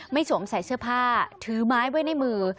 สวมใส่เสื้อผ้าถือไม้ไว้ในมือ